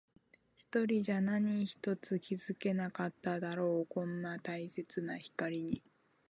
一人じゃ何一つ気づけなかっただろう。こんなに大切な光に。